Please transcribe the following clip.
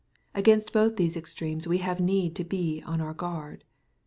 Against both these extremes we have need to be on our guard.